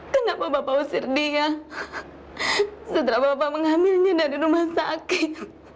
setelah bapak mengambilnya di rumah sakit